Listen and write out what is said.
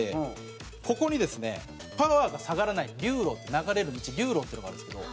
ここにですねパワーが下がらない流路流れる路、流路っていうのがあるんですけど。